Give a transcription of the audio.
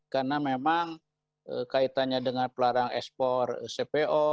karena memang kaitannya dengan pelarang ekspor cpo